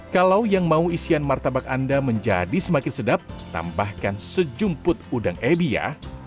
kalau yang mau isian martabak anda menjadi semakin sedap tambahkan sejumput udang ebi ya